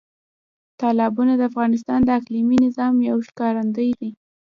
تالابونه د افغانستان د اقلیمي نظام یو ښکارندوی دی.